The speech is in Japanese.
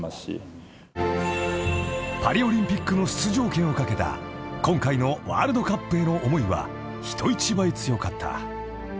［パリオリンピックの出場権を懸けた今回のワールドカップへの思いは人一倍強かった］